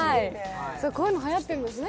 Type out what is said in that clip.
こういうのはやってるんですね。